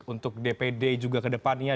untuk dpd juga ke depannya